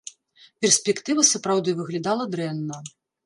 Перспектыва, сапраўды, выглядала дрэнна.